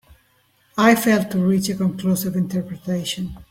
I failed to reach a conclusive interpretation.